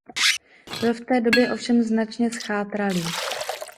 Byl v té době ovšem značně zchátralý.